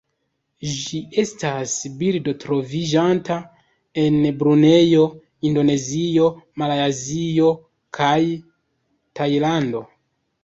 Ĝi estas birdo troviĝanta en Brunejo, Indonezio, Malajzio kaj Tajlando.